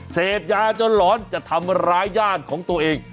เสพยาจนหลอนจะทำร้ายญาติของตัวเอง